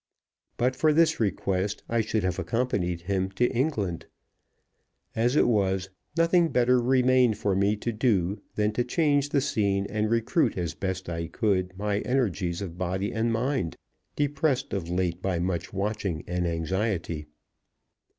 But for this request I should have accompanied him to England. As it was, nothing better remained for me to do than to change the scene, and recruit as I best could my energies of body and mind, depressed of late by much watching and anxiety.